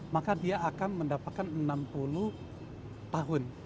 maka dia akan mendapatkan enam puluh tahun